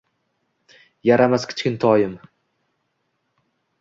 Yaramas kichkintoyim